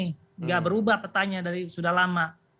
tidak berubah petanya dari sudah lama